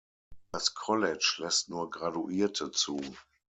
Das College lässt nur Graduierte zu.